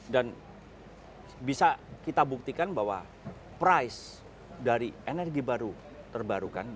dan bisa kita buktikan bahwa price dari energi baru terbarukan